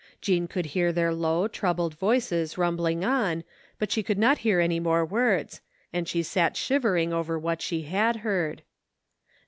Jean could hear their low, troubled voices, rumbling on, but she could not hear any more words, and she sat shivering over what she had heard.